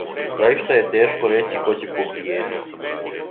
"Заиста је тешко рећи ко ће побиједити.